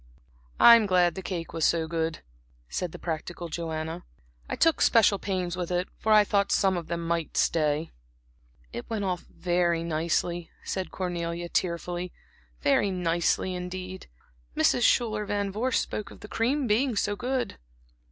"I'm glad the cake was so good," said the practical Joanna. "I took special pains with it, for I thought some of them might stay." "It went off very nicely," said Cornelia, tearfully, "very nicely indeed. Mrs. Schuyler Van Vorst spoke of the cream being so good."